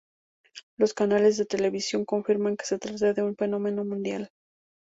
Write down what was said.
Los canales de televisión confirman que se trata de un fenómeno mundial.